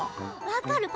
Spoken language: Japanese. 分かる！